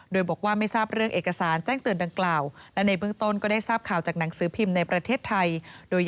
ด้านนาย